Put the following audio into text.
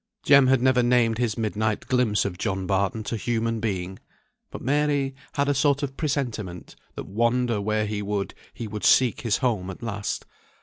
Jem had never named his midnight glimpse of John Barton to human being; but Mary had a sort of presentiment that wander where he would, he would seek his home at last.